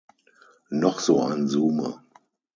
Noch so ein Zoomer.